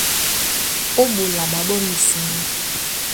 Ó ɓola ɓaɓó misimá.